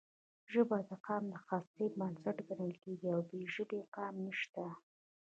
ژبه د قام د هستۍ بنسټ ګڼل کېږي او بې ژبې قام نشته.